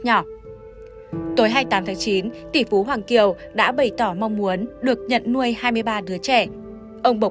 nhỏ tối hai mươi tám tháng chín tỷ phú hoàng kiều đã bày tỏ mong muốn được nhận nuôi hai mươi ba đứa trẻ ông bộc